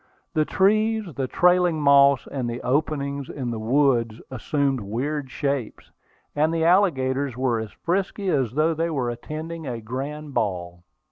The trees, the trailing moss, and the openings in the woods assumed weird shapes, and the alligators were as frisky as though they were attending a grand ball.